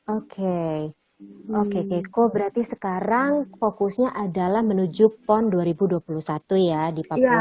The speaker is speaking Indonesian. oke oke keiko berarti sekarang fokusnya adalah menuju pon dua ribu dua puluh satu ya di papua